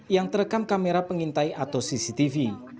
yang terekam kamera pengintai atau cctv